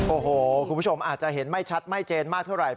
โอ้โหคุณผู้ชมอาจจะเห็นไม่ชัดไม่เจนมากเท่าไหร